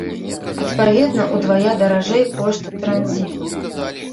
Адпаведна ўдвая даражэй кошт транзіту.